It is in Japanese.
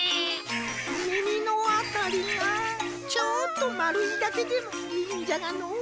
みみのあたりがちょっとまるいだけでもいいんじゃがのう。